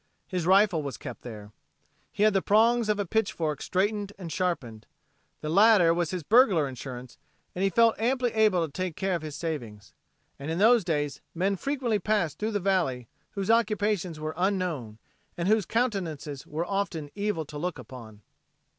His rifle was kept there. He had the prongs of a pitchfork straightened and sharpened. The latter was his burglar insurance and he felt amply able to take care of his savings. And in those days men frequently passed through the valley whose occupations were unknown and whose countenances were often evil to look upon.